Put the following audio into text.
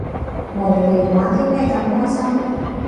無聊，玩啲咩咁開心？